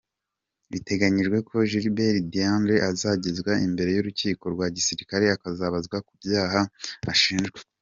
Biteganyijwe ko Gilbert Diendéré azagezwa imbere y’urukiko rwa gisirikare akabazwa ku byaha ashinjwa.